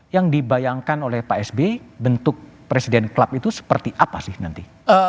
yang dibayangkan oleh pak sby bentuk presiden club itu seperti apa sih nanti